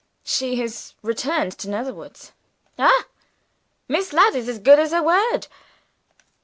"She has returned to Netherwoods." "Aha! Miss Ladd is as good as her word.